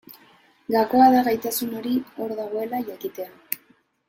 Gakoa da gaitasun hori hor dagoela jakitea.